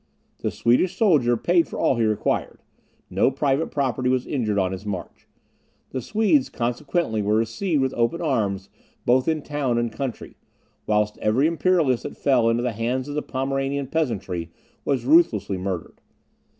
The Swedish soldier paid for all he required; no private property was injured on his march. The Swedes consequently were received with open arms both in town and country, whilst every Imperialist that fell into the hands of the Pomeranian peasantry was ruthlessly murdered.